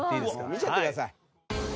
見ちゃってください。